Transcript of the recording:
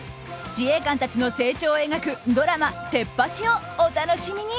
自衛官たちの成長を描くドラマ「テッパチ！」をお楽しみに。